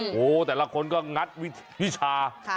โอ้โหแต่ละคนก็งัดวิชา